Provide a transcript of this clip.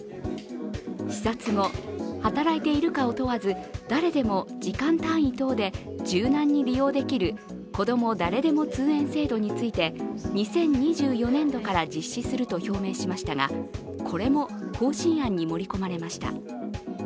視察後、働いているかを問わず誰でも時間単位等で柔軟に利用できるこども誰でも通園制度について２０２４年度から実施すると表明しましたがこれも方針案に盛り込まれました。